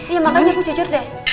iya makanya ibu cucet deh